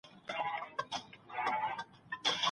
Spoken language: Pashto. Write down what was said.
ایا اوږده ډوډۍ ماڼۍ ته یوړل سوه؟